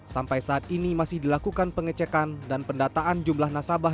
sampai saat ini masih dilakukan pengecekan dan pendataan jumlah nasabah